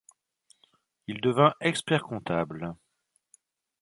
Il devint expert-comptable.